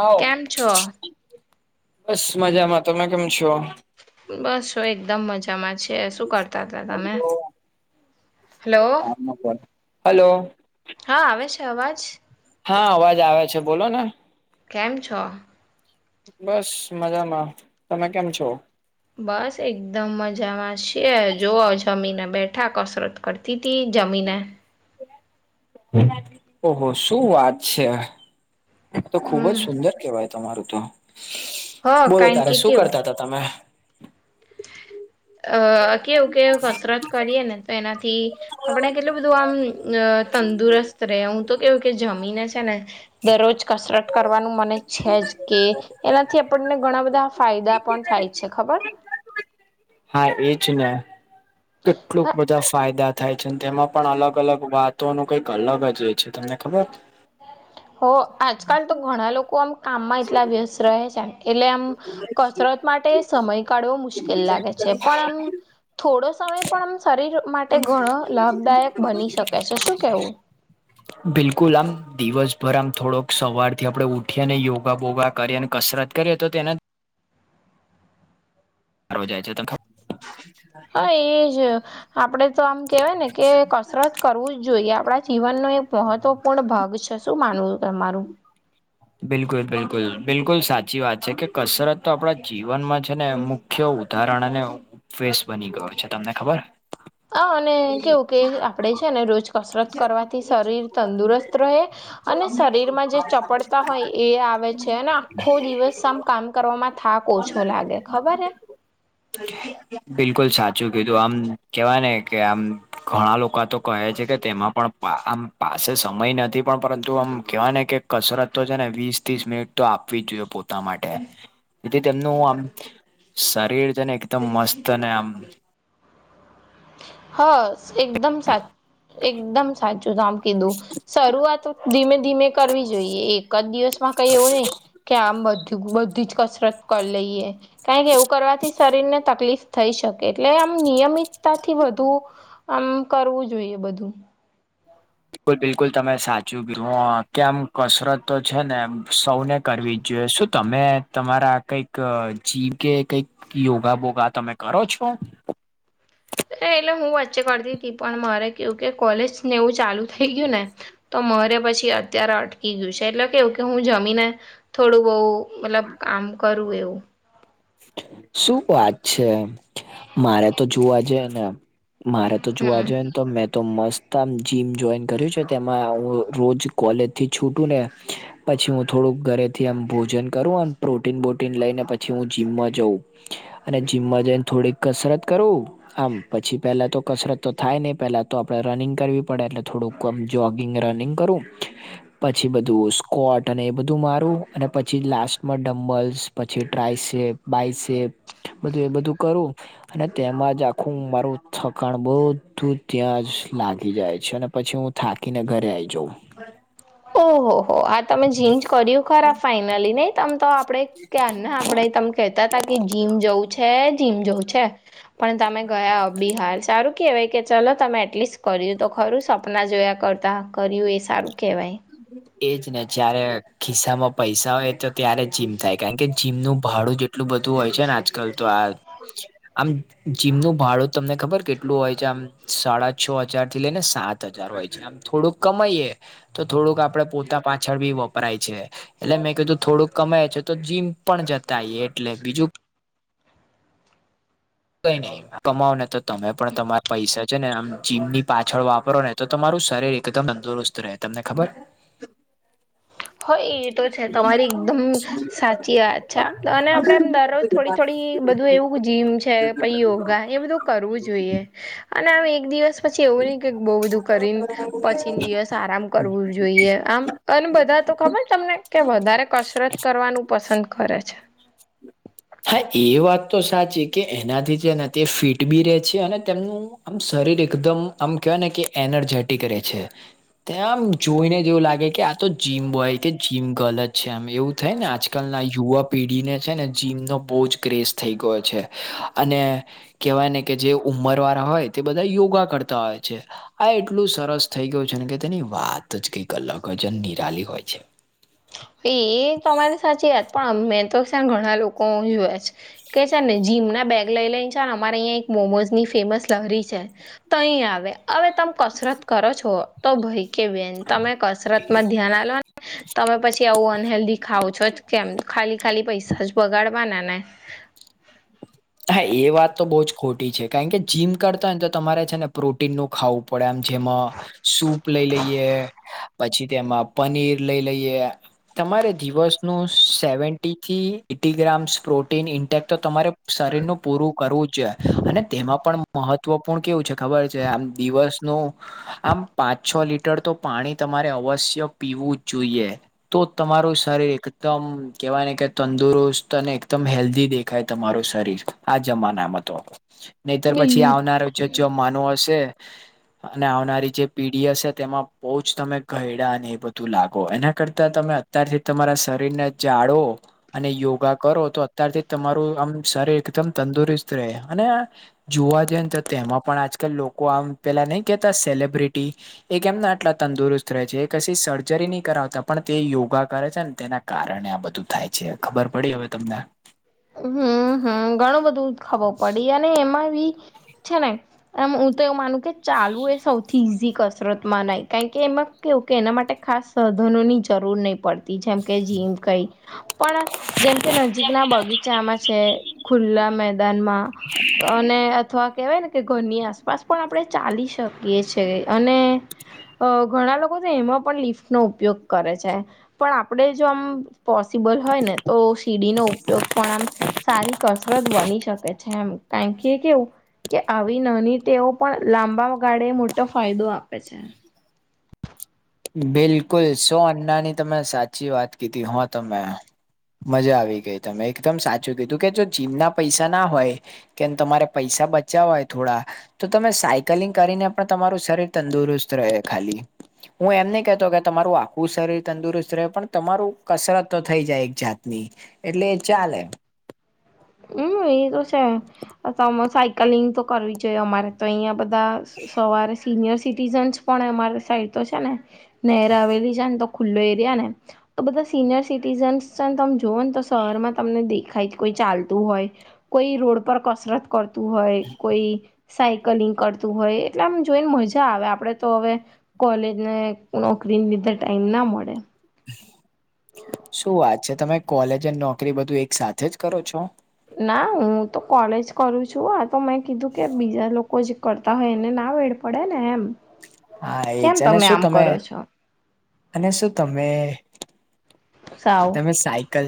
હોવ કેમ છો બસ મજામાં. તમે કેમ છો? બસ એકદમ મજામાં છે. શું કરતા તા તમે? હલો [inaudible] હલો હા આવે છે અવાજ? હા અવાજ આવે છે બોલો ને. કેમ છો? બસ મજામાં. તમે કેમ છો? બસ એકદમ મજામાં છીએ. જોઓ જમીને બેઠ ઠા કસરત કરતી તી જમીને ઓહો! શું વાત છે. તો ખુબ જ હમ સુંદર કેવાય તમારું તો. હ બોલો કારણ તારે કે શું કેવું કરતા તા તમે? અ કેવું કેવું કસરત કરીએ ને તો એનાથી આપડે કેટલું બધું આમ તંદુરસ્ત રહે હું તો કેવું કે જમીન છે ને. દરરોજ કસરત કરવાનું મને છે જ કે એનાથી આપણને ઘણા બધા ફાયદા પણ થાય છે ખબર? હા એજ ને. કેટલુંક હા બધા ફાયદા થાય છે ને તેમાં પણ અલગ અલગ વાતોનું કઈક અલગ જ હોય છે તમને ખબર? હો આજકાલ તો ઘણા લોકો આમ કામમાં એટલા વ્યસ્ત રહે છે એટલે આમ કસરત માટે સમય કાઢવો મુશ્કેલ લાગે છે. પણ આમ થોડો સમય પણ આમ શરીર માટે ઘણો લાભદાયક બની શકે છે શું કેવું? બિલકુલ આમ દિવસભર આમ થોડોક સવારથી આપણે ઉઠી અને યોગા બોગા કરી અને કસરત કરીએ તો તેના હારો જાય છે તો હા એજ. આપણે તો આમ કહેવાય ને કે કસરત કરવું જ જોઈએ. આપણા જીવનનું એક મહત્વ પૂર્ણ ભાગ છે. શું માનવું તમારું? બિલકુલ બિલકુલ. બિલકુલ સાચી વાત છે કે કસરત તો આપણા જીવનમાં છે ને અમુક મુખ્ય ઉદાહરણ અને ઉપવેશ બની ગયો છે તમને ખબર? હહ અને કેવું કે આપડે છે ને રોજ કસરત કરવાથી શરીર તંદુરસ્ત રહે. અને શરીરમાં જે ચપડતા હોય એ આવે છે અને આખો દિવસ આમ કામ કરવામાં થાક ઓછો લાગે ખબર હે? બિલકુલ સાચું કીધું. આમ કેવાય ને કે આમ ઘણા લોકા તો કહે છે કે તેમાં પણ આમ પાસે સમય નથી. પણ પરંતુ આમ કેવાય ને કે કસરત તો છે ને વીસ ત્રીસ મિનિટ તો આપવી જ જોઈએ પોતા માટે. જેથી તેમનું આમ શરીર છે ને એકદમ મસ્ત ને આમ. હ એકદમ સા એકદમ સાચું જ આમ કીધું. શરૂઆત ધીમે ધીમે કરવી જોઈએ એક જ દિવસમાં કઈ એવું નહી કે આમ બધું બધી જ કસરત કરી લઈએ. કારણ કે એવું કરવાથી શરીર ને તકલીફ થઈ શકે એટલે આમ નિયમિતતાથી વધ તું આમ કરવું જોઈએ બધું. ત બિલકુલ તમે સાચુ કીધું હા કેમ કસરત તો છે ને એ સૌને કરવી જ જોઈએ શું તમે તમારા કઈક જીવ કે કંઈક યોગા બોગા તમે કરો છો. એટલે હું વચ્ચે કરતી હતી પણ મારે કેવું કે કોલેજને એવું ચાલુ થઈ ગયું ને. તો મરે પછી અત્યારે અટકી ગયું છે એટલે કેવું કે હું જમીને થોડું બહુ મતલબ આમ કરું એવું. શું વાત છે મારે તો જોવા જાયે ને. મારે તો જોવા હમ જઈએ ને તો મે તો મસ્ત આમ જીમ જોઈન કર્યું છે તેમાં હું રોજ કોલેજ થી છૂટું ને પછી હું થોડુંક ઘરે થી આમ ભોજન કરુંમ પ્રોટીન બોટીન લઈને પછી હું જીમમાં જઉ. અને જીમમાં જઈને થોડીક કસરત કરું. આમ પછી પેલા તો કસરત તો થાય ની પેલા તો આપડે રનિંગ કરવી પડે એટલે થોડુંક કોમ જોગિંગ રનિંગ કરું. પછી બધું સ્કોટ અને એ બધું મારું અને પછી લાસ્ટમાં ડમ્લ્સ પછી ટ્રાયસેપ બાયસેપ બધું એ બધું કરું અને તેમાં જ આખું મારું થકાણ બધું ત્યાં જ લાગી જાય છે અને પછી હું થાકીને ઘરે આઈ જઉ ઓહો હો હા તમે જીન્સ કર્યું ખરા ફાઈનલી નહી તમ તો પડે ક્યાં ને આપડે તમે કહેતા હતા કે જીમ જવું છે. થીમ જોવું છે પણ તમે ગયા બી હાલ સારું કેહેવાય કે ચલો તમે એટલીસ્ટ કર્યું તો ખરું સપના જોયા કરતા કર્યું એ સારું કેવાય. એજ ને જ્યારે ખિસ્સા માં પૈસા હોય તો ત્યારે જીમ થાય કારણ કે જીમનું ભાડું એટલું બધું હોય છે ને આજકાલ તો આ [inaudible] આમ જીમનું ભાડું તમને ખબર કેટલું હોય છે આમ સાડા છ હજાર થી લઈને સાત ત હજાર હોય છે આમ થોડુંક કમાઈએ તો થોડુંક આપડે પોતા પાછળ ભી વપરાય છે એટલે મેં કીધું થોડુંક કમાય છે તો જીમ પણ જતાય એટલે બીજું કઈ ની કમાવ ને તો તમે પણ તમારા પૈસા છે ને આમ જીમની પાછળ વાપરો ને તો તમારું શરીર એકદમ તંદુરસ્ત રહે તમને ખબર [inaudible] હ એ તો છે તમારી એકદમ સાચી અચ્છા અને આપડે એમ દરરોજ થોડી થોડી બધું એવું જીમ છે છે પહી યોગા એ બધું કરવું જોઈએ અને આ એક દિવસ પછી એવું ની કે બહુ બધું કરીને પછી દિવસ આરામ કરવું જોઈએ આમ અને બધા તો ખબર તમને કે વધારે કસરત કરવાનું પસંદ કરે છે હા એ વાત તો સાચી કે એનાથી જે ને તે ફીટ બી ર છે અને તેમનું આમ શરીર એકદમ આમ કવાય ને કે એનર્જેટિક રે છે તેમ જોઈને જ એવું લાગે કે આ તો જીમ બોય કે જીમ ગલ જ છે આમ એવું થાય ને આજકાલના યુવા પેઢીને છે ને જીમનો બહુ જ ક્રેઝ થઈ ગયો છે અને કેવાય ને કે જે ઉમર વાળા હોય તે બધા યોગા કરતા હોય છે આ એટલું સરસ થઈ ગયું છે ને કે તેની વાત જ કઈક અલગ હોય છે નિરાલી હોય છે એ તમારી સાચી વાત પણ મેં તો છે ને ઘણા લોકો જોયા છે કે છે ને જીમ ના બેગ લઇ લઈને છે ને અમારે અહીંયા એક મોમોઝ ની ફેમસ લહરી છે તહી આવે હવે તમે કસરત કરો છો તો ભય કે બેન તમે કસરત માં ધ્યાન આ લોને તમે પછી કે આવું અનહેેલ્ધી ખાવું છો કેમ ખાલી ખાલી પૈસા જ બગાડવાના ને હા એ વાત તો બહુ જ ખોટી છે કારણ કે જીમ કરતા હોયને તો તમારે છે ને પ્રોટીનનું ખાવું પડે એમ જેમાં સૂપ લઈ લઈએ પછી તેમાં પનીર લઈ લઈએ તમારે દિવસ નો સેવન્ટી થી એટી ગ્રામ્સ પ્રોટીન ઇન્ટેક તો તમારે શરીરનું પૂરું કરવું છે અને તેમાં પણ મહત્વપૂર્ણ કેવું છે ખબર છે આમ દિવસનું આમ પાંચ છ લીટર તો પાણી તમારે અવશ્ય પીવું જ જોઈએ. તો તમારું શરીર એકદમ કહેવાય ને કે તંદુરસ્ત અને એકદમ હેલ્ધી દેખાય તમારું શરીર રી આ જમાનામ તો નહીતર પછી બિલકુલ આવનાર જો જમવાનું હશે [inaudible] અને આવનારી જે પીઢી હશે તેમાં બહ જ તમે ઘયડા એ બધું લાગો એના કરતા તમે અત્યારથી તમારા શરીરને જાળવો અને યોગા કરો તો અત્યારથી તમારું આમ શરીર એકદમ તંદુરસ્ત રહે અને યાર જોવા જઈ ને તો તેમાં પણ આજકાલ લોકો આમ પેલા નહી કેહેતા સેલબ્રિટી એ કેમને આટલા તંદુરસ્ત રહે છે એ કછી સર્જરી નહી કરાવતા પણ તે યોગા કરે છે ને તેના કારણ આ બધું થાય છે ખબર પડી હવે તમને હમ્મ હમ્મ ઘણું બધું ખબર પડી અને એમાં બી છે ને એમ હું તો એવું માનું કે ચાલવું એ સૌથી ઈઝી કરશ કસરતમાં ન કારણ કે એમાં કેવું કે એના માટે ખાસ સાધનોની જરૂર નહીં પડતી જેમકે જીમ કઈ પણ જેમ કે નજીક ના બગીચામાં છે ખુલ્લા મેદાનમાં અને અથવા કેહેવાય ને કે ઘરની આસપાસ પણ આપણે ચાલી શકીએ છે અને અ ઘણા લોકો છે એમાં પણ લિફ્ટનોો ઉપયોગ કરે છે. પણ આપણે જો આમ પોસિબલ હોય ને તો સીડીનો ઉપયોગ પણ આમ સારી કસરત બની શકે છે એમ કારણ કે કેવું કે આવી નાની તેઓ પણ લાંબા ગાળે મોટો ફાયદો આપે છે. બિલકુલ શો અન્નાની તમે સાચી વાત કીધી હો તમે. મજા આવી ગઈ તમે એકદમ સાચું કીધું કે જો જીમના પૈસા ના હોય કેમ તમારે પૈસા બચાવ હોય થોડા તો તમે સાયકલિંગ કરીને પણ તમારું શરીર તંદુરસ્ત રહે ખાલી. હું એમને કહતો કે તમારું આખું શરીર તંદુરસ્ત રહે પણ તમારું કસરત તો થઈ જાય એક જાતની. એટલે ચાલે. હમ્મ એ તો છે સાયકલિંગ તો કરવી જોઈએ અમારે તો અહિયાં બધા સવારે સિનિયર સિટીઝન્સ પણ અમારી સાઈડ તો છે ને નનેર આવેલી છે ને તો ખુલ્લો એરિયા ને તો બધા સિનિયર સિટીઝન્સ છે ને તમે જોઓ ને તો શહેરમાં તમને દેખાય કોઈ ચાલતું હોય કોઈ રોડ પર કસરત કરતું હોય કોઈ સાયકલિંગ કરતું હોય એટલે આમ જોઈને મજા આવે આપડે તો હવે કોલેજ ને નોકરી લીધે ટાઈમ ના મળે શું વાત છે તમે કોલેજ અને નોકરી બધું એક સાથે જ કરો છો? ના હું તો કોલેજ કરું છું આ તો મેં કીધું કે બીજા લોકો જ કરતા હોય એને ના વેડ પડે ને એમ હા કેમ એજ ને શું આમ તમે કરો છો અને શું તમે, સાવ તમે સાયકલ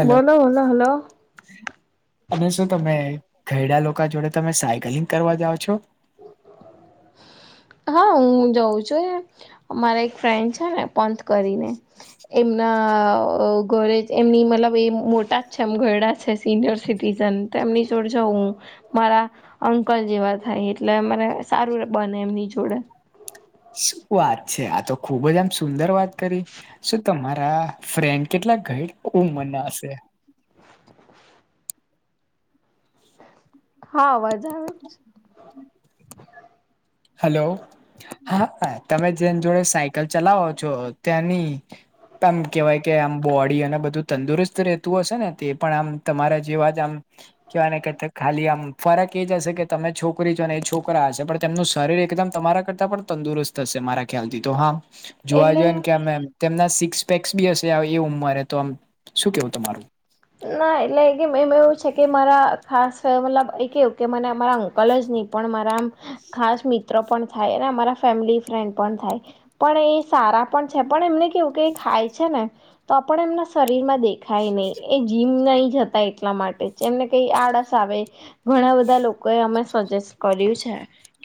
હલો બોલો બોલો હલો અને શું તમે ઘેડા લોકો જોડે તમે સાયકલિંગ કરવા જાઓ છો? હા હું જઉં છું મારા એક ફ્રેન્ડ છે ને પંથ કરીને એમના ઘરે જ એમની મતલબ એ મોટા જ છે એમ ઘરડા છે સિનિયર સિટીઝન તેમની જોડ જોવુ. મારા અંકલ જેવા થાય એટલે મને સારું બને એમની જોડે શું વાત છે આ તો ખુબ જ આમ સુંદર વાત કરી. શ તમારા ફ્રેન્ડ કેટલા ઘાઈ ઉમર ના હશે. હા અવાજ આવે. હલો હા તમે જેની જોડે સાયકલ ચલાવો છો ત્યાંની. આમ કેહેવાય કે આમ બોડી અને બધું તંદુરસ્ત રહેતું હશે ને તે પણ આમ તમારા જેવા જ આમ. કવાય ને કે ખાલી આમ ફરક એ જ હશે કે તમે છોકરી છો ને એ છોરા હશે પણ તેમનું. શરીર એકદમ તમારા કરતાં પણ તંદુરસ્ત થશે મારા ખ્યાલથી તો હા જોવા એટલે જઈએ ને કે એમ તેમના સિક્સ પેક્સ બી હશે એ ઉંમરે તો આમ શું કેવું તમારું. ના એટલે કે એમ એવું છે કે મારા ખાસ મતલબ એ કેવું કે મને મારા. લ જ નહી પણ મારા ખાસ મિત્રો પણ થાય અરા ફેમિલી ફ્રેન્ડ પણ થાય. પણ એ સારા પણ છે પણ એમને કેવું કે ખાય છે ને. તો પણણ એમના શરીરમાં દેખાય નહિ. એ જીમ નહી જતા એટલા માટે એમને કઈ આળસ આવે. ઘણા બધા લોકો એ અમે સજેસ્ટ કર્યું છે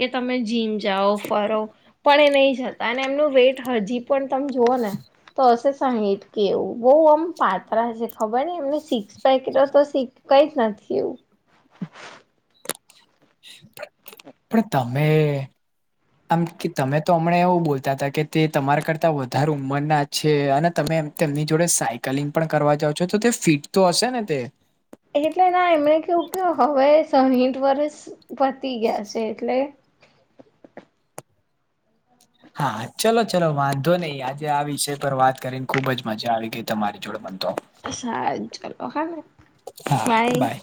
કે તમે જીમ જાઓ ફરો પણ એ નહી જતા અને એમનું વેટ હજી પણ તમે જોઓ ને. તો હ સાહ કે એવું બહુ આમ પાત્ર છે. ખબર ન એમને સિક્સ પેકેટ તો કઈ નથી એવું. પણ તમે. આમ કે તમે તો હમણાં એવું બોલતા હતા કે તે તમારા કરતા વધારે ઉંમરના જ છે અને તમેમ તેમની જોડે સાયકલિંગ પણ કરવા જાાવ છો તો તે ફિટ તો હશે ને તે. એટલે ના એમણે કેવું કે હવે સાહીઠ વર્ષ પતી ગયા છે એટલે હા ચલો ચલો વાંધો નહીિ આજે આ વિષય પર વાત કરીને ખુબ જ મજા આવી ગઈ તમારી જોડે મન તો સાહજ ચ હા ભાઈ બાય.